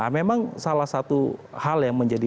memang salah satu hal yang menjadi